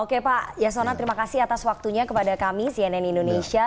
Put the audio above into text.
oke pak yasona terima kasih atas waktunya kepada kami cnn indonesia